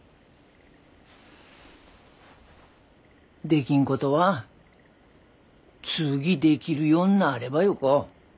できんことは次できるようになればよか。